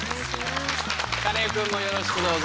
カネオくんもよろしくどうぞ。